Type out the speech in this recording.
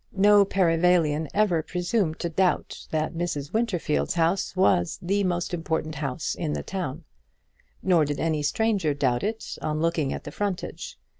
No Perivalian ever presumed to doubt that Mrs. Winterfield's house was the most important house in the town. Nor did any stranger doubt it on looking at the frontage.